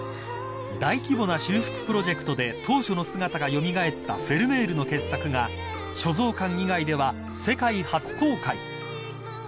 ［大規模な修復プロジェクトで当初の姿が蘇ったフェルメールの傑作が所蔵館以外では世界初公開］